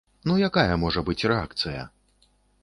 Ну, якая можа быць рэакцыя?